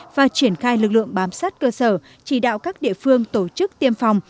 và triển khai lực lượng bám sát cơ sở chỉ đạo các địa phương tổ chức tiêm phòng